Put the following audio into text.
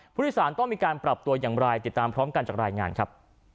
ผู้โดยสารต้องมีการปรับตัวอย่างไรติดตามพร้อมกันจากรายงานครับ